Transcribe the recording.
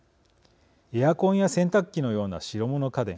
エアコンや洗濯機のような白物家電